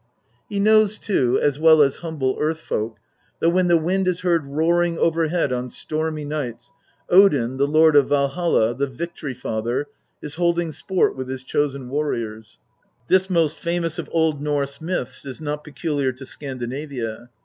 He knows top, as well as humble earth folk, that when the wind is heard roaring overhead on stormy nights, Odin, the lord of Valholl, the Victojry Father, is holding sport with his Chosen warriors. This most famous of Old Norse myths is not peculiar to Scandinavia.